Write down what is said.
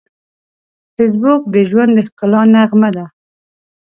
فېسبوک د ژوند د ښکلا نغمه ده